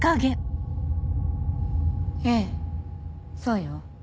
ええそうよ。